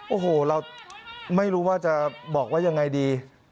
โอ้โหเราไม่รู้ว่าจะบอกว่ายังไงดี